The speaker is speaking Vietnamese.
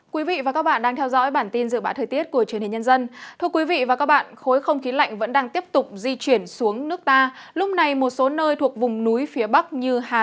các bạn hãy đăng ký kênh để ủng hộ kênh của chúng mình nhé